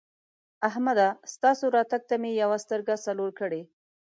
احمده! ستاسو راتګ ته مې یوه سترګه څلور کړې.